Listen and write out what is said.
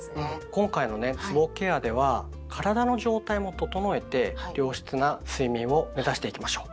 今回のねつぼケアでは体の状態も整えて良質な睡眠を目指していきましょう！